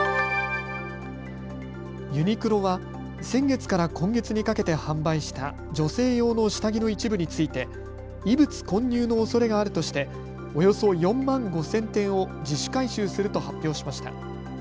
ユニクロは先月から今月にかけて販売した女性用の下着の一部について異物混入のおそれがあるとしておよそ４万５０００点を自主回収すると発表しました。